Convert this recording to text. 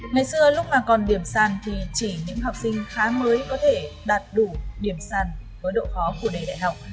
ngày xưa lúc mà còn điểm sàn thì chỉ những học sinh khá mới có thể đạt đủ điểm săn với độ khó của đề đại học